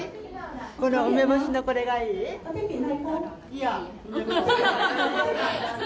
この、梅干しのこれがいい？